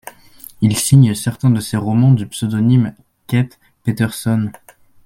Il signe certains de ses romans du pseudonyme Keith Peterson.